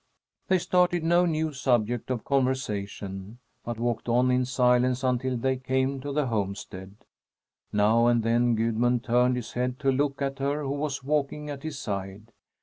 They started no new subject of conversation, but walked on in silence until they came to the homestead. Now and then Gudmund turned his head to look at her who was walking at his side.